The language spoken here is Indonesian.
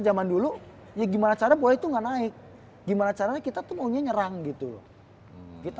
zaman dulu ya gimana cara boleh itu enggak naik gimana caranya kita tuh maunya nyerang gitu loh kita